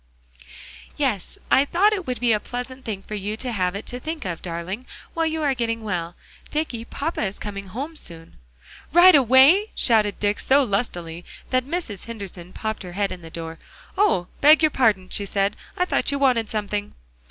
"Yes, I thought it would be a pleasant thing for you to have it to think of, darling, while you are getting well. Dicky, papa is coming home soon." "Right away?" shouted Dick so lustily that Mrs. Henderson popped her head in the door. "Oh! beg your pardon," she said; "I thought you wanted something."